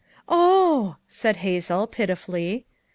'" "Oh!" said Hazel pitifully.